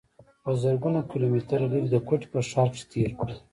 پۀ زرګونو کلومټره لرې د کوټې پۀ ښار کښې تير کړو